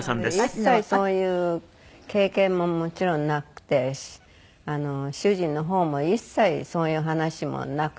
一切そういう経験ももちろんなくて主人の方も一切そういう話もなくて。